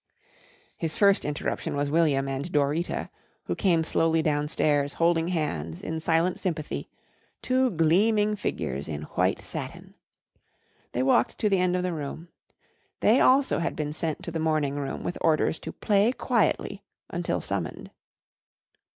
His first interruption was William and Dorita, who came slowly downstairs holding hands in silent sympathy, two gleaming figures in white satin. They walked to the end of the room. They also had been sent to the morning room with orders to "play quietly" until summoned.